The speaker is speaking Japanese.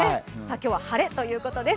今日は晴れということです。